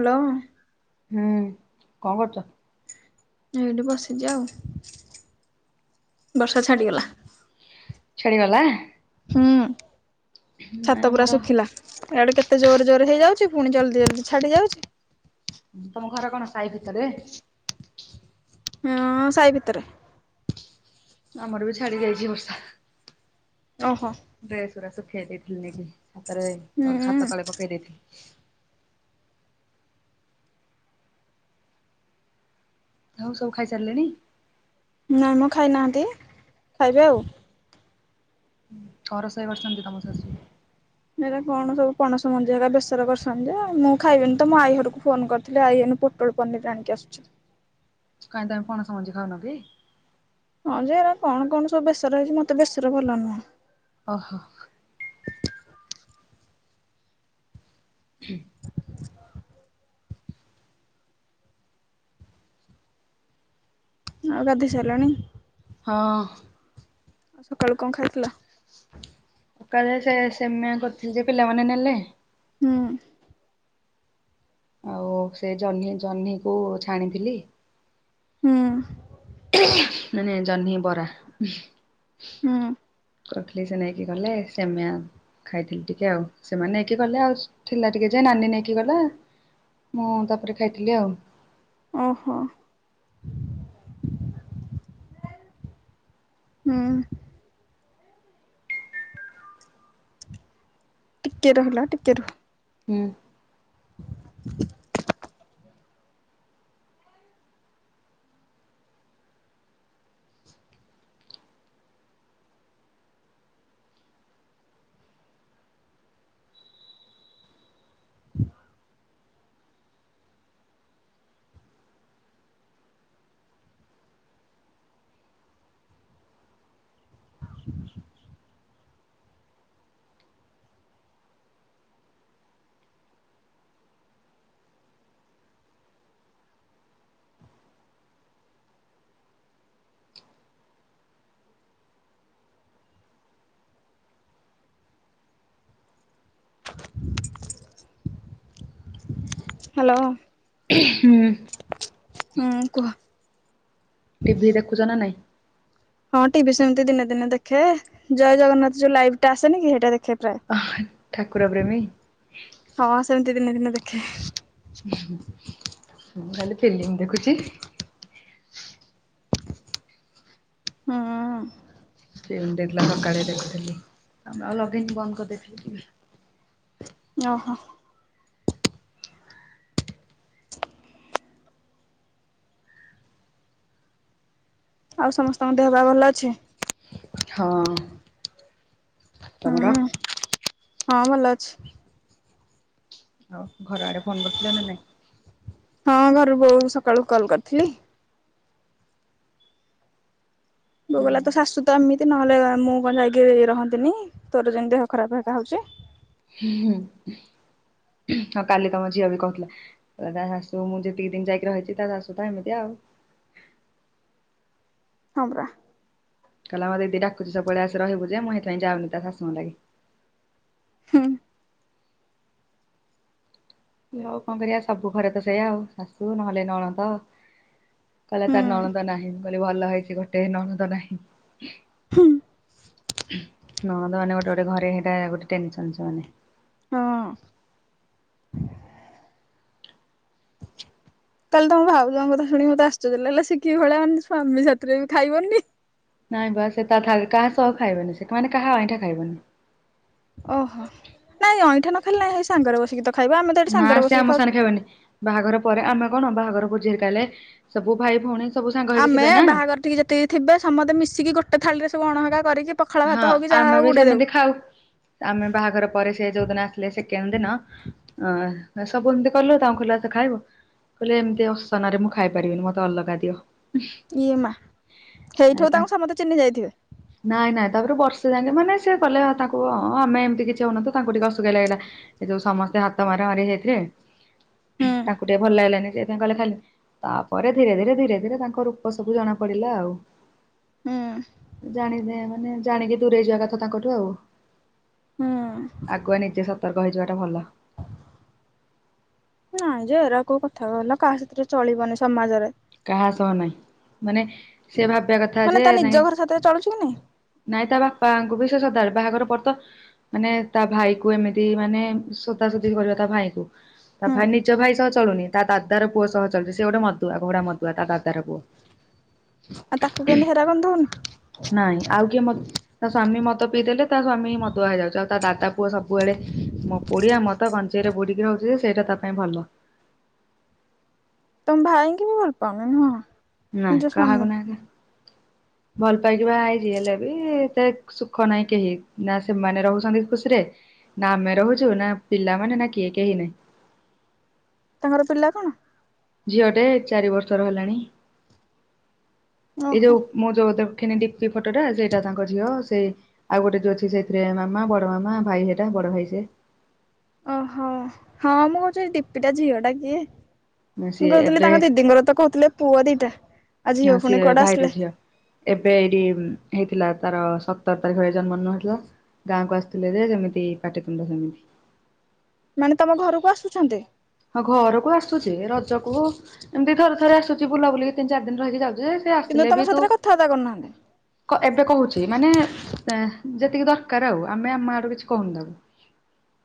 Hello. ହୁଁ, କଣ କରୁଚ? ଏଇଠି ବସିଚି ଆଉ, ବର୍ଷା ଛାଡିଗଲା। ଛାଡିଗଲା? ହୁଁ। ନାଇଁ ଛାତ ପୁରା ଆମର ଶୁଖିଲା, ଇଆଡେ କେତେ ଜୋରେ ଜୋରେ ହେଇଯାଉଚି, ପୁଣି ଜଲ୍ଦି ଜଲ୍ଦି ଛାଡି ଯାଉଚି। ତମ ଘର କଣ ସାଇ ଭିତରେ ଏ? ହଁ, ସାଇ ଭିତରେ। ଆମର ବି ଛାଡି ଯାଇଚି ବର୍ଷା। ଓହୋ। ଡ୍ରେସ୍ ଗୁରା ଶୁଖେଇ ଦେଇଥିଲି ନେଇକି, ଛାତରେ, ହଁ ହୁଁ ଛାତ ତଳେ ପକେଇ ଦେଇଥିଲି। ଆଉ ସବୁ ଖାଇ ସାରିଲେଣି? ନାଇଁମ ଖାଇନାହାନ୍ତି, ଖାଇବେ ଆଉ। କଣ ରୋଷେଇ କରିଚନ୍ତି ତମ ଶାଶୁ? [inaudible] ହେରା କଣ ସବୁ ପଣସ ମଞ୍ଜି ଏକା ବେସର କରିଛନ୍ତି ଯେ, ମୁଁ ଖାଇବିନି ତ, ମୋ ଆଈ ଘରକୁ ଫୋନ୍ କରିଥିଲି, ଆଇ ଏଇନୁ ପୋ ପୋଟଳ ପନିର୍ ଆଣିକି ଆସୁଚି। କାହିଁ ତମେ ପଣସ ମଞ୍ଜି ଖାଉନକି? ହଁ ଯେ, ଏରା କଣ କଣ ସବୁ ବେସରେ ହେଇଚି, ମତେ ବେସର ଭଲ ନୁହଁ। ଓହୋ। ହୁଁ। ଆଉ ଗାଧେଇ ସାଇଲଣି? ହଁ ଆଉ ସକାଳୁ କଣ ଖାଇଥିଲ? ସକାଳେ ସେ ସେମାୟା କରିଥିଲି ଯେ, ପିଲାମାନେ ନେଲେ। ହୁଁ। ଆଉ ସେ ଜହ୍ନି, ଜହ୍ନିକୁ ଛାଣିଥିଲି। ହୁଁ। ମାନେ ଜହ୍ନି ବରା ହୁଁ। କରିଥିଲି ସେ ନେଇକି ଗଲେ ସେମାୟା। ଖାଇଥିଲି ଟିକେ ଆଉ ସେମାନେ ନେଇକି ଗଲେ ଆଉ, ଥିଲା ଟିକେ ଯେ ନାନୀ ନେଇକି ଗଲା। ମୁଁ ତାପରେ ଖାଇଥିଲି ଆଉ। ଅହ ହୁଁ ଟିକେ ରହିଲ ଟିକେ ରୁହ। ହୁଁ [inaudible] ହ୍ୟାଲୋ ହୁଁ ହୁଁ କୁହ? ଟିଭି ଦେଖୁଛ ନା ନାଇଁ? ହଁ ଟିଭି ସେମିତି ଦିନେ ଦିନେ ଦେଖେ, ଜୟ ଜଗନ୍ନାଥ ଯୋଉ ଲାଇଭ ଟା ଆସେନି କି ସେଇଟା ଦେଖେ। ଅ ଠାକୁର ପ୍ରେମୀ ହଁ ସେମିତି ଦିନେ ଦିନେ ଦେଖେ। ମୁଁ ଖାଲି ଫିଲ୍ମ ଦେଖୁଛିି। ହଁ ଫିଲ୍ମ ଦେଉଥିଲା ସକାଳେ ଦେଖୁଥିଲି ତାପରେ ଆଉ ଲଗେଇନି ବନ୍ଦ୍ କରିଦେଇଥିଲି। ଅହୋ ଆଉ ସମସ୍ତଙ୍କ ଦେହ ପା ଭଲ ଅଛି ହଁ ତମର? ହୁଁ ହଁ ଭଲ ଅଛି ଆଉ ଘର ଆଡେ ଫୋନ କରିଥିଲ ନା ନାଇଁ? ହଁ ଘରୁ ବୋଉ ସକାଳୁ କଲ୍ କରିଥିଲି। ବୋଉ କହିଲା ତ ଶାଶୁ ତ ଏମିତି ନହେଲେ, ମୁଁ କଣ ଯାଇକି ରହନ୍ତିନି ତୋର ଯେମତି ଦେହ ଖରାପ ହେକା ହଉଛି। ହୁଁ ହୁଁ ହଁ କାଲି ତମ ଝିଅ ବି କହୁଥିଲା ତା ଶାଶୁ ମୁଁ ଯେତିକି ଦିନ ଯାଇକି ରହିଛି ତା ଶାଶୁ ତ ଏମିତି ଆଉ। ହଁ ପରା କହିଲା ମତେ ଦେଇ ଡାକୁଛି ସବୁବେଳେ ଆସେ ରହିବୁ ଯେ ମୁଁ ହେଇଥିପାଇଁ ଯାଉନି ତା ଶାଶୁ ଘର ଲାଗି। ହୁଁ ମୁଁ କହିଲି ହଉ କଣ କରିବା ସବୁ ଘରେ ତ ସେଇଆ ଆଉ ଶାଶୁ ନହେଲେ ନଣନ୍ଦ। କହିଲେ ହୁଁ ତାର ନଣନ୍ଦ ନାହିଁ ମୁଁ କହିଲି ଭଲ ହେଇଛି ଗୋଟେ ନଣନ୍ଦ ନାହିଁ। ହୁଁ ନଣନ୍ଦ ମାନେ ଗୋଟେ ଗୋଟେ ଘରେ ହେଇଟା ଗୋଟେ ଟେନସନ ସେମାନେ ହଁ କହିଲି ତମ ଭାଉଜାଙ୍କ କଥା ଶୁଣି ମତେ ଆଶ୍ଚର୍ଯ୍ୟ ହେଲା ସେ କିି ଭଳିଆ ମାନେ ସ୍ୱାମୀ ସାଥିରେ ବି ଖାଇବନି। ନାଇଁ ବା ସେ ତା କାହା ସହ ଖାଇବନି ସେ ମାନେ କାହା ଅଇଁଠା ଖାଇବନି। ଓହୋ ନାଇଁ ଅଇଁଠା ନ ଖାଲେ ନାଇଁ ସାଙ୍ଗରେ ବସିକି ତ ଖାଇବା ଆମେ ତ ଏଠି ସାଙ୍ଗରେ ବସିକି ଖାଉଛୁ। ଖାଇବନି। ବାହାଘର ପରେ ଆମେ କଣ ବାହାଘର ବୋଝି ହେରିକା ହେଲେ ସବୁ ଭାଇ ଭଉଣୀ, ସବୁ ସାଙ୍ଗ ହେଇକି ଆମେ ଥିବେ ନା ବାହାଘର ଟିକେ ଯେତିକି ଥିବେ ସମସ୍ତେ ମିଶିକି ଗୋଟେ ଥାଳିରେ ସବୁ ଅଣହେକା କରିକି ପଖଳା ହଁ ଭାତ ହଉକି ଆମେ ଯାହାଉ ବି ଉଡ଼େଇ ସେମିତି ଦବୁ। ଖାଉ। ଆମେ ବାହାଘର ପରେ ସେ ଯୋଉଦିନ ଆସିଲେ ସେକେଣ୍ଡ ଦିନ, ଅ ସବୁ ଏମିତି କଲୁ, ତାଙ୍କୁ କହିଲୁ ଆସ ଖାଇବୁ, କହିଲେ ଏମିତି ଅସନାରେ ମୁଁ ଖାଇପାରିବିନି ମୋତେ ଅଲଗା ଦିଅ। ଇଏ ମା ଏ ହେଇଠୁ ତାଙ୍କୁ ତାଙ୍କ ସମସ୍ତେ ଚିହ୍ନି ଯାଇଥିବେ। ନାଇଁ ନାଇଁ ତାପରେ ବର୍ଷେ ଯାଇନି ମାନେ ସେ ଗଲେ ତାଙ୍କୁ ହଁ ଆମେ ଏମିତି କିଛି ହଉନୁ ତ ତାଙ୍କୁ ଟିକେ ଅସୁକିଆ ଲାଗିଲା। ଏ ଯୋଉ ସମସ୍ତେ ହାତ ମାରା ମାରି ହେଇଥିଲେ ହୁଁ ତାଙ୍କୁ ଟିକେ ଭଲ ଲାଗିଲାନି ଯେ। [inaudible] କଲେ ଖାଲି ତାପରେ ଧୀରେ ଧୀରେ ଧୀରେ ଧୀରେ ତାଙ୍କ ରୂପ ସବୁ ଜଣା ପଡିଲା ଆଉ। ହୁଁ। ଜାଣିଦେ ମାନେ ଜାଣିକି ଦୂରେଇ ଯିବା କଥା ତାଙ୍କଠୁ ଆଉ। ହୁଁ। ଆଗୁଆ ନିଜେ ସତର୍କ ହେଇଯିବା ଟା ଭଲ। ହ ନା ଯେ ଏରା କୋଉ କଥା କହିଲ କାହା ସାଥିରେ ଚଳିବନି ସମାଜରେ। କାହା ସହନାଇଁ ମାନେ ସେ ଭାବିବା କଥା ମାନେ ଯେ ତା ନିଜ ନାଇଁ ଘର ସାଥିରେ ଚଳୁଛି କି ନାଇଁ ନାଇଁ ତା ବାପାଙ୍କୁ ବି ସେ ସଦା ବେଳେ ବାହାଘର ପରେତ ମାନେ ତା ଭାଇକୁ ଏମିତି ମାନେ ସୋଦାସୋଦି କରିବ ତା ଭାଇକୁ। ତା ହୁଁ ଭାଇ ନିଜ ଭାଇ ସହ ଚଳୁନି ତା ଦାଦାର ପୁଅ ସହ ଚଳୁଚି, ସେ ଗୋଟେ ମଦୁଆ। ଘୋଡ଼ା ମଦୁଆ ତା ଦାଦାର ପୁଅ। ଆଉ ତାକୁ କେମିତି ହେରା ଗନ୍ଧଉନି? ନାଇଁ ଆଉ କିଏ ମଦ ତା ସ୍ୱାମୀ ମଦ ପିଇଦେଲେ ତା ସ୍ଵାମୀ ମଦୁଆ ହେଇଯାଉଚି ଆଉ ତା ଦାଦା ପୁଅ ସବୁବେଳେ ମୋ ପୁଡିଆ, ମଦ, ଗଞ୍ଜ୍ ଗଞ୍ଜେଇରେ ବୁଡିକି ରହୁଚି ଯେ ସେଇଟା ତା ପାଇଁ ଭଲ। ତମ ଭାଇଙ୍କି ବି ଭଲ ପାଉନି ନୁହଁ? ନା ନିଜ କାହାକୁ ସ୍ୱାମୀ ନାଇଁ ନା ଭଲ ପାଇକି ବାହା ହେଇଚି ହେଲେବି ସେ ସୁଖ ନାହିଁ କେହି ନା ସେମାନେ ରହୁଚନ୍ତି ଖୁସିରେ ନା ଆମେ ରହୁଚୁ ନା ପିଲାମାନେ, ନା କିଏ, କେହି ନାହିଁ। ତାଙ୍କର ପିଲା କଣ? ଝିଅଟେ ଚାରି ବର୍ଷର ହେଲାଣି, ଏଇ ଓହୋ ଯୋଉ ମୋ ଯୋଉ ତାକୁ ରଖିନି ଡିପ୍ଟି ଫଟ ଟା ସେଇଟା ତାଙ୍କ ଝିଅ ସେ। ଆଉ ଗୋଟେ ଯୋଉ ଅଛି ସେଥିରେ ମାମା, ବଡ ମାମା, ଭାଇ ସେଟା, ବଡ ଭାଇ ସେ। ଓହୋ, ହଁ ମୁଁ ସେ ଡିପିଟା ଝିଅଟା କିଏ। ମୁଁ ସିଏ କହୁଥିଲି ଏବେ ତାଙ୍କ ଦିଦିଙ୍କର ତ କହୁଥିଲେ ପୁଅ ଦିଟା, ଆଉ ଝିଅ ପୁଣି ସିଏ କୁଆଡୁ ଭାଇର ଆସିଲେ। ଝିଅ। ଏବେ ଏଇଠି ହେଇଥିଲା ତାର ସତର ତାରିଖରେ ଜନ୍ମଦିନ ହେଇଥିଲା। ଗାଁକୁ ଆସିଥିଲେ ଯେ ଯେମିତି ପାଟିତୁଣ୍ଡ ସେମିତି। ମାନେ ତମ ଘରକୁ ଆସୁଛନ୍ତି? ହଁ ଘରକୁ ଆସୁଚି ରଜକୁ ଏମିତି ଥରେ ଥରେ ଆସୁଚି ବୁଲା ବୁଲିି ତିନି ଚାରି ଦିନି ରହିକି ଯାଉଚି ଯେ କିନ୍ତୁ ତମ ସାଥିରେ କଥାବାର୍ତ୍ତା କରୁନାହାନ୍ତି? ଏବେ କହୁଚି ମାନେ ଏଁ ଯେତିକି ଦରକାର ଆଉ, ଆମେ ଆମ ଆଡୁ କିଛି କହୁନୁ ତାକୁ।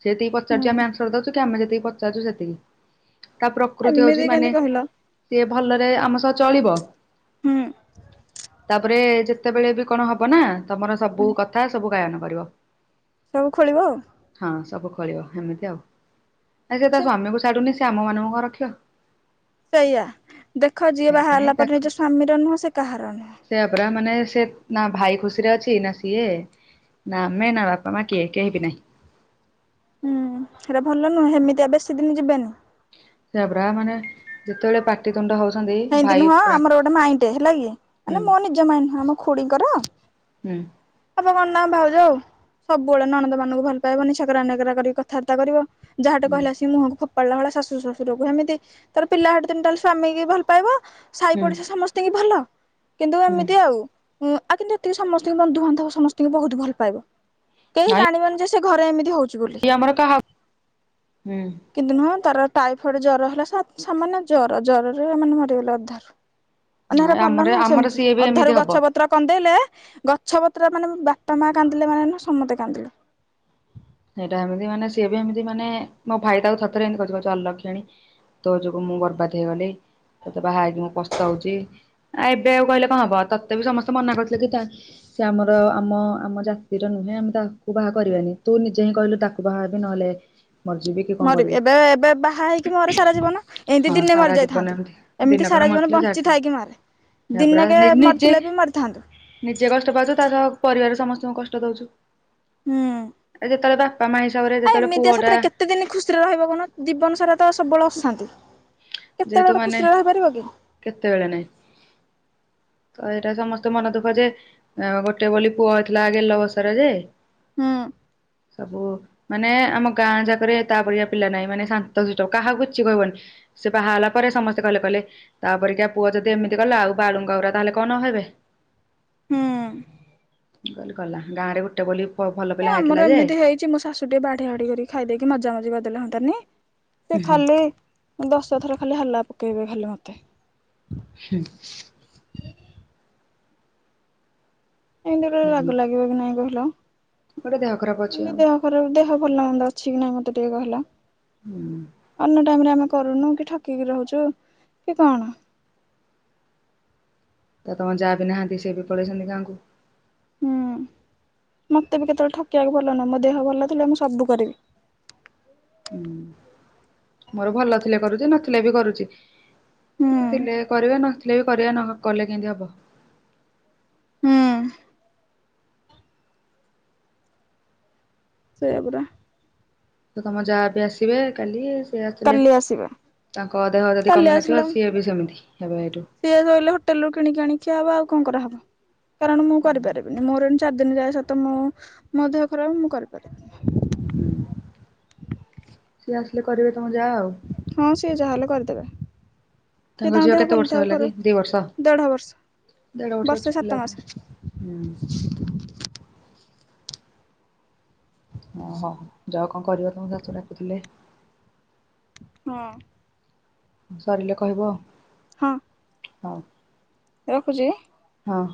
ସେ ଯେତିକି ହୁଁ ପଚାରୁଚି ଆମେ ଆନ୍ସର ଦଉଚୁ କି ଆମେ ଯେତିକି ପଚାରୁଚୁ ସେତିକି। ତା ପ୍ରକୃତି ଏମିତି ହଉଚି ମାନେ କେମିତି କହିଲ ସିଏ ଭଲରେ ଆମ ସହ ଚଳିବ ହୁଁ ତାପରେ ଯେତ୍ ଯେତେବେଳେ ବି କଣ ହବ ନା ତମର ସବୁ କଥା ସବୁ ଗାୟନ କରିବ। ସବୁ ଖୋଳିବ ଆଉ। ହଁ ସବୁ ଖୋଳିବ ହେମିତି ଆଉ। ଛେ ସ୍ୱାମୀ କୁ ଛାଡୁନି ସେ ଆମ ମାନଙ୍କୁ କଁ ରଖିବ। ସେଇଆ ଦେଖ ଯିଏ ବାହା ସେଇଥିପାଇଁ ହେଲା ପରେ ନିଜ ସ୍ୱାମୀର ନୁହଁ, ସେ କାହାର ନୁହଁ। ସେଇଆ ପରା, ମାନେ ସେ ନା ଭାଇ ଖୁସିରେ ଅଛି ନା ସିଏ। ନା ଆମେ ନା ବାପା ମା କିଏ କେହି ବିିନାଇଁ। ହୁଁ ସେଟା ଭଲ ନୁହଁ, ସେମିତିଆ ବେଶି ଦିନି ଯିବେନି। ସେଇଆ ପରା ମାନେ ଯେତେବେଳେ ପାଟିତୁଣ୍ଡ ହଉଛନ୍ତି ହେଁ ତି ଭାଇ ନୁହଁ ପୁରା ଆମର ଗୋଟେ ମାଇଁ ଟେ ହେଲା କି ହୁଁ ମାନେ ମୋ ନିଜ ମାଇଁ ନୁହେଁ ମ। ଖୁଡ଼ିଙ୍କର ହୁଁ। ହବ କଣ ନା ଭାଉଜ, ଆଉ ସବୁବେଳେ ନଣନ୍ଦ ମାନଙ୍କୁ ଭଲ ପାଇବନି ଛେକରା ନେକେରା କରି କଥାବାର୍ତ୍ତା କରିବ। ଯାହେଟେ ହୁଁ କହିଲା ସିଏ ମୁହଁ କୁ ଫୋଫାଡିଲା ଭଳିଆ ଶାଶୁ ଶଶୁର କୁ ହେମିତି ତାପରେ ପିଲା ସେଠୁ ତିନିଟା ସ୍ବାମି କି ଭଲ ପାଇବ, ସାଇ ହୁଁ ପଡିଶା ସମସ୍ତଙ୍କି ଭଲ କିନ୍ତୁ ହୁଁ ଏମିତି ଆଉ। ହୁ ଆଉ କିନ୍ତୁ ଏତିକି ସମସ୍ତଙ୍କି ବନ୍ଧୁବାନ୍ଧବ ସମସ୍ତଙ୍କି ବହୁତ ଭଲ ପାଇବ। କେହି ନାଇଁ ଜାଣିବେନି ଯେ ସେ ଘରେ ଏମିତି ହଉଛି। ବୋଲି। ଇଏ ଆମର କହାକୁ, ହୁଁ। କିନ୍ତୁ ନୁହଁ ତାର ଟାଇଫଏଡ ଜର ହେଲା ସା ସାମାନ୍ୟ ଜର ଜରରେ ମାନେ ମ ମରି ଗଲା ଅଧାରୁ, ମାନେ ଏରା ଭଲ ଆମର ନୁହଁ ଆମର ସେମିତି ସିଏ ବି ଏମିତି ଅଧାରୁ ହବ। ଗଛ ପ ପତ୍ର କନ୍ଦେଇଲେ ଗଛ ପତ୍ର ମାନେ ବାପା ମା କାନ୍ଦିଲେ ମାନେ ସମସ୍ତେ କାନ୍ଦିବେ। ସେଇଟା ଏମିତି ମାନେ ସିଏ ବି ଏମିତି ମାନେ ମୋ ଭାଇ ତାକୁ ସତରେ ଏମତି କହୁଛି ଅଲକ୍ଷଣୀ। ତୋ ଯୋଗୁ ମୁଁ ବର୍ବାଦ ହେଇଗଲି। ତତେ ବାହା ହେଇି କି ମୁଁ ପସ୍ତାଉଛି ଆଉ ଏବେ ଆଉ କହିଲେ କଁ ହବ ତତେ ବି ସମସ୍ତେ ମନା କରିଥିଲେ ‌କି ତା ସିଏ ଆମର ଆମ ଆମ ଜାତିର ନୁହେଁ ଆମେ ତାହାକୁ ବାହା କରିବାନି। ତୁ ନିଜେ ହିଁ କହିଲୁ ତାକୁ ବାହା ବି ନହେଲେ। ମରିଜିବି କି। କଣ ମରିବି କରିବି ଏବେ ଏବେ ବାହା ହେଇକି ମର ସାରା ଜୀବନ ଏଁତି ହଁ ଦିନେ ସାରା ଜୀବନ ମରିଯାଇଥାନ୍ତୁ। ଏମିତି ଏମିତି ଦିନକରେ ସାରା ଜୀବନ ମରିଥିଲେ ଯାହା ବଞ୍ଚିଥାଇକି ତା ମରେ ପୁରା ଦିନକେ ନିଜେ ମରିଥିଲେ ବି ମରିଥାନ୍ତୁ। ନିଜେ କଷ୍ଟ ପାଉଛୁ ତା ସହ ପରିବାର ସମସ୍ତଙ୍କୁ କଷ୍ଟ ଦଉଛୁ। ହୁଁ। ଏ ଯେତେବେଳେ ବା ପା ମା ହିସାବରେ। ଆ ଯେତେବେଳେ ଏମିତିଆ ପୁଅ ଟା ସେଥିରେ କେତେ ଦିନ ଖୁସିରେ ରହିବ କହୁନ ଜୀବନ ସାରା ତ ସବୁବେଳେ ଅସାନ୍ତି। ଯେହେତୁ ମାନେ କେତେବେଳେ ନାଇଁ। ତ ଏଇଟା ସମସ୍ତେ ମନ ଦୁଃଖ ଯେ। ଆ ଗୋଟେ ବୋଲି ପୁଅ ହେଇଥିଲା ଗେଲବସର ଯେ। ହୁଁ। ସବୁ। ମାନେ ଆମ ଗାଁ ଯାକରେ ତା ଭଳିଆ ପିଲା ନାହିଁ ମାନେ ଶାନ୍ତ ଶିଷ୍ଟ କାହାକୁ କିଛି କହିବନି। ସେ ବାହା ହେଲା ପରେ ସମସ୍ତେ କହିଲେ କହିଲେ। ତା ପରିକା ପୁଅ ଯଦି ଏମିତି କଲା ଆଉ ବାଳୁଙ୍କା ଗୁରା ତା ହେଲେ କଣ ନହେବେ। ହୁଁ। ମୁଁ କହିଲି ଗଲା ଗାଁ ରେ ଗୋଟେ ବୋଲି। ଭଲ ଏ ପିଲା ହେଇଥିଲା ଆମର ଯେ ଏମିତି ହେଇଛି ମୋ ଶାଶୁ। ତୁ ଟିକେ ବାଢିଆ ବାଢି କରି ଖାଇଦେଇକି ମଜା ମଜି କରିଦେଲେ ହଅନ୍ତାନି ତୁ ଖାଲି। ଦଶ ଥର ଖାଲି ହାଲା ପକେଇବେ ଖାଲି ମତେ। ହୁଁ। ଏମିତି ଗୋଟେ ରାଗ ଲାଗିବ କି ନାଇଁ କହିଲ। ଗୋଟେ ଦେହ ଖରାପ ଅଛି ଆଉ। ମୋର ଆଉ ଦେହ ଭଲ ମନ୍ଦ ଅଛି କି ନାଇଁ ମତେ ଟିକେ କହିଲା ହୁଁ ଅନ୍ୟ ଟାଇମ ରେ ଆମେ କ କରୁନୁ କି ଠକିକି ରହୁଛୁ କି କଣ। ତ ତମ ଯା ବି ନାହାନ୍ତି ସେ ବି ପଳେଇଛନ୍ତି ଗାଁ କୁ। ହୁଁ। ମତେ ବି କେତେବେଳେ ଠକିବାକୁ ଭଲ ନାଁ ମୋ ଦେହ ଭଲ ନଥିଲେ ମୁଁ ସବୁ କରିବି। ହୁଁ। ମୋର ଭଲ ଥିଲେ କରୁଛି ନଥିଲେ ବି କରୁଛି। ହୁଁ ଥିଲେ କରିବା ନଥିଲେ ବି କରିବା ନ କଲେ କେମିତି ହବ। ହଁ। ସେୟାପରା। ତ ତମ ଯାଆ ବି ଆସିବେ କାଲି ସିଏ ଆସିଲେ। କାଲି ଆସିବା ତାଙ୍କ ଦେହ ଯଦି କାଲି କମି ନଥିବ ଆସିଲେ ସିଏ ବି ସେମିତି ହେବେ ଏଏଠୁ। ସିଏ ରହିଲେ ହୋଟେଲ ରୁ କିଣିକି ଆଣିିକି ଖିଆ ହବ ଆଉ କ କରାହେବ। କାରଣ ମୁଁ କରିପାରିବିନି ମୋର ଏମିନ୍ତି ଚାରି ଦିନି ଯାଏ ସତ ମୁଁ। ମୋ ଦେହ ଖରାପ ମୁଁ କରିପାରିବି। ହୁଁ। ସିଏ ଆସିଲେ କରିବେ ତମ ଯା ଆଉ। ହଁ ସିଏ ଯାହା ହେଲେ କରିଦେବେ। ସେ ତାଙ୍କ ଝିଅ ଦେହ କେତେ ଭଲ ବର୍ଷ ଥାଉ ଖରା଼ପ। ହେଲା କି ଦି ବର୍ଷ? କର ଦେଢ ଦେଢ ବର୍ଷ ବର୍ଷ। ଅଛି ବର୍ଷେ ପିଲା ସାତ ମାସେ। ହୁଁ। ଓ ହୋ। ଯାଅ କ କରିବ ତମ ଶାଶୁ ଡାକୁଥିଲେ। ହଁ। ସରିଲେ କହିବ ଆଉ। ହଁ। ହଁ। ରଖୁଛି। ହଁ।